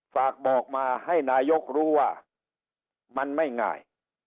ฝากบอกมาให้นายกรู้ว่ามันไม่ง่าย